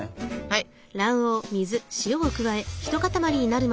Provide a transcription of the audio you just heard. はい。